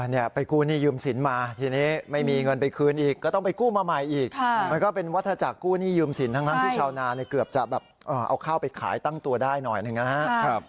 เนี่ยไปกู้หนี้ยืมสินมาทีนี้ไม่มีเงินไปคืนอีกก็ต้องไปกู้มาใหม่อีกมันก็เป็นวัฒนาจักรกู้หนี้ยืมสินทั้งที่ชาวนาเนี่ยเกือบจะแบบเอาข้าวไปขายตั้งตัวได้หน่อยหนึ่งนะครับ